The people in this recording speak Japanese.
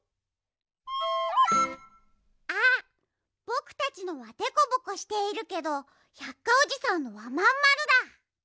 ぼくたちのはでこぼこしているけど百科おじさんのはまんまるだ！